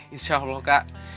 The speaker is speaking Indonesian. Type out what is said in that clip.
insya allah kak